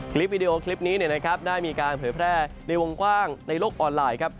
วิดีโอคลิปนี้ได้มีการเผยแพร่ในวงกว้างในโลกออนไลน์ครับ